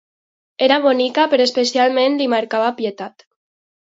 Era bonica, però especialment li mancava pietat.